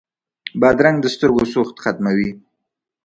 بادرنګ د سترګو سوخت ختموي.